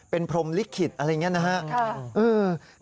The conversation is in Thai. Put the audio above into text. เป็นพรมลิขิตอะไรอย่างนี้นะครับ